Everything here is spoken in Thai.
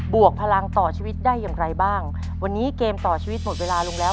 วกพลังต่อชีวิตได้อย่างไรบ้างวันนี้เกมต่อชีวิตหมดเวลาลงแล้ว